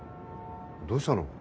どうしたの？